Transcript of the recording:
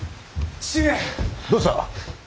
どうした。